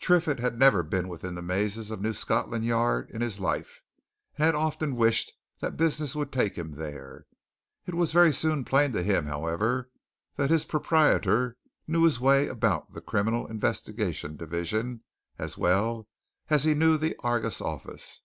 Triffitt had never been within the mazes of New Scotland Yard in his life, and had often wished that business would take him there. It was very soon plain to him, however, that his proprietor knew his way about the Criminal Investigation Department as well as he knew the Argus office.